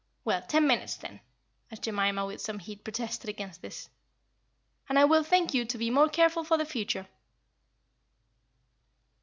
Well, ten minutes, then," as Jemima, with some heat, protested against this; "and I will thank you to be more careful for the future."